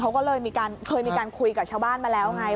เขาก็เลยเคยมีการคุยกับชาวบ้านมาแล้วไง